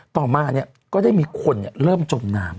ต่อมาก็ได้มีคนเริ่มจมน้ำ